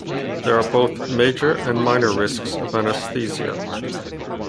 There are both major and minor risks of anesthesia.